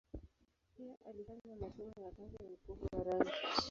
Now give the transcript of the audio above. Pia alifanya masomo ya kwanza ya upofu wa rangi.